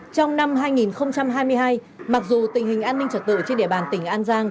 trong năm hai nghìn hai mươi hai mặc dù tình hình an ninh trật tự trên địa bàn tỉnh an giang